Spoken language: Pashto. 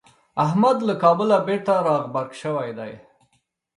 احمد له کابله بېرته راغبرګ شوی دی.